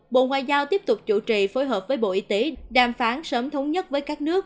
bộ ngoại giao tiếp tục chủ trì phối hợp với bộ y tế đàm phán sớm thống nhất với các nước